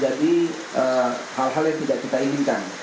hal hal yang tidak kita inginkan